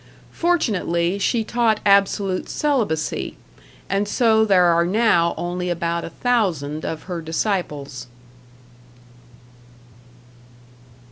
Fortunately she taught absolute celibacy, and so there are now only about a thousand of her disciples.